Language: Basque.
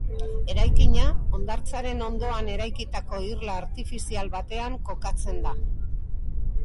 Eraikina hondartzaren ondoan eraikitako irla artifizial batean kokatzen da.